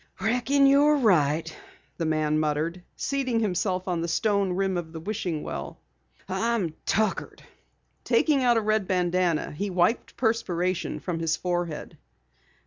"Reckon you're right," the man muttered, seating himself on the stone rim of the wishing well. "I'm tuckered." Taking out a red bandana handkerchief, he wiped perspiration from his forehead.